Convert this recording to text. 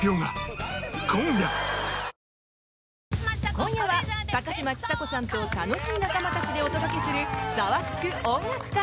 今夜は、高嶋ちさ子さんと楽しい仲間たちでお届けする「ザワつく！音楽会」。